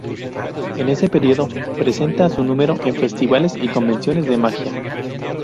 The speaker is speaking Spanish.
En ese período, presenta su número en festivales y convenciones de magia.